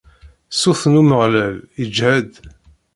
Ṣṣut n Umeɣlal iǧhed.